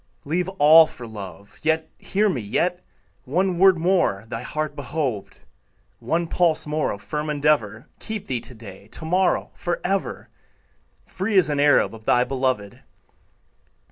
Leave all for love; Yet, hear me, yet, One word more thy heart behoved, One pulse more of firm endeavor, Keep thee to day, To morrow, forever, Free as an Arab Of thy beloved.